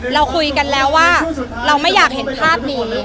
เราคุยกันแล้วว่าเราไม่อยากเห็นภาพนี้